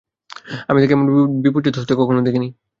আমি তাকে এমন বিপর্যস্ত হতে কখনো দেখিনি।